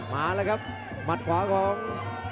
มาแล้วครับหมัดขวาของ